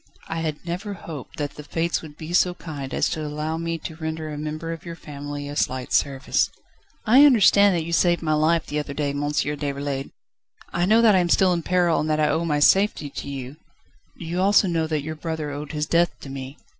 "I had never hoped that the Fates would be so kind as to allow me to render a member of your family a slight service." "I understand that you saved my life the other day, Monsieur Déroulède. I know that I am still in peril and that I owe my safety to you ..." "Do you also know that your brother owed his death to me?"